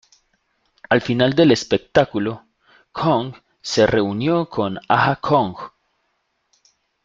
Al final del espectáculo, Kong se reunió con Aja Kong.